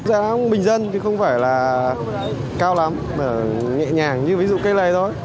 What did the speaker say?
giá bình dân thì không phải là cao lắm nhẹ nhàng như ví dụ cây này thôi